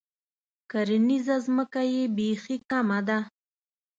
کرنیزه ځمکه یې بیخي کمه ده.